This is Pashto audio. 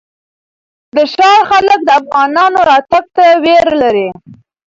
د ښار خلک د افغانانو راتګ ته وېره لري.